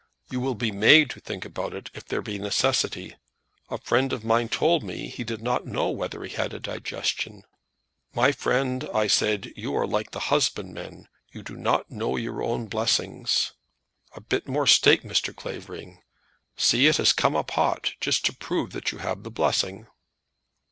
You will be made to think about it if there be necessity. A friend of mine told me he did not know whether he had a digestion. My friend, I said, you are like the husbandmen; you do not know your own blessings. A bit more steak, Mr. Clavering; see, it has come up hot, just to prove that you have the blessing."